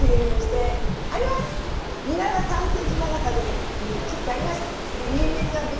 ニラは３ｃｍ長さに切ってあります。